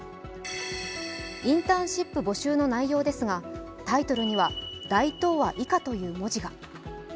インターンシップ募集のないようですが、タイトルには「大東亜以下」という文字が。